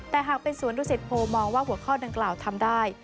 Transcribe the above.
แต่หากเป็นสวนดุสิตโพมองว่าหัวข้อดังกล่าวทำได้